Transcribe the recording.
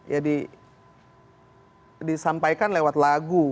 ya disampaikan lewat lagu